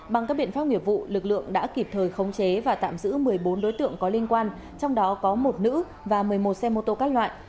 bằng các biện pháp nghiệp vụ lực lượng đã kịp thời khống chế và tạm giữ một mươi bốn đối tượng có liên quan trong đó có một nữ và một mươi một xe mô tô các loại